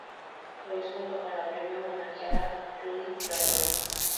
Louis" junto con la previa homenajeada Judy Garland.